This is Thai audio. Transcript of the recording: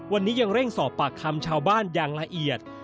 วันนี้ยังเร่งสอบปากคำชาวบ้านอย่างละเอียด